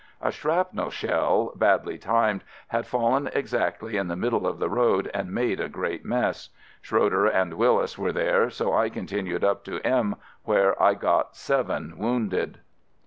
A shrapnel shell, badly timed, had fallen exactly in the middle of the road and made a great mess. Schroe der and Willis were there, so I continued up to M , where I got seven wounded.